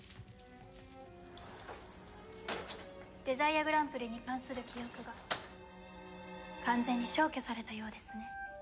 デザイアグランプリに関する記憶が完全に消去されたようですね。